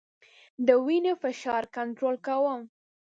زه د وینې فشار کنټرول کوم.